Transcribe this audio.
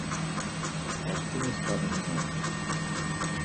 Moxtimuskani minon.